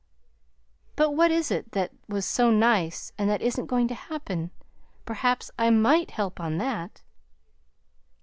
But what is it that was so nice, and that isn't going to happen? Perhaps I MIGHT help on that."